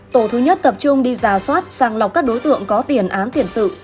tổ thứ nhất tập trung đi giả soát sàng lọc các đối tượng có tiền án tiền sự